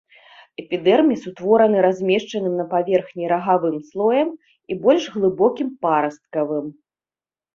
Эпідэрміс утвораны размешчаным на паверхні рагавым слоем і больш глыбокім парасткавым.